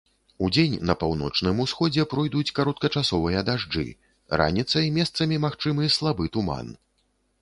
Удзень на паўночным усходзе пройдуць кароткачасовыя дажджы, раніцай месцамі магчымы слабы туман.